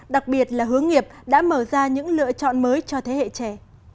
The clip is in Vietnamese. đặc biệt là hướng nghiệp đã mở ra những lựa chọn mới cho thế hệ trẻ